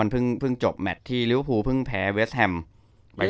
มันเพิ่งจบแมทที่ลิวฮูเพิ่งแพ้เวสแฮมไป๓๒